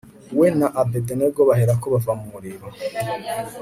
we na abedenego baherako bava mu muriro